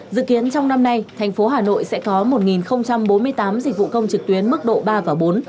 dự kiến trong năm nay thành phố hà nội sẽ có một bốn mươi tám dịch vụ công trực tuyến mức độ ba và bốn